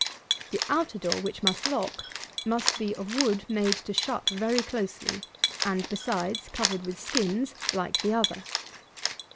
The outer door, which must lock, must be of wood, made to shut very closely, and, besides, covered with skins like the other.